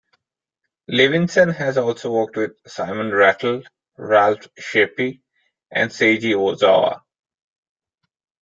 Levinson has also worked with Simon Rattle, Ralph Shapey, and Seiji Ozawa.